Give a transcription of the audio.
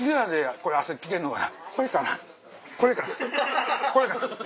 これかな？